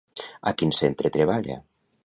A quin centre treballa?